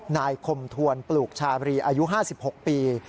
นายคมทวนปลูกชาบรีอายุ๕๖ปี